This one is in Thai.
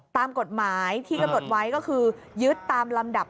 ตามกฎหมายที่กำหนดไว้ก็คือยึดตามลำดับ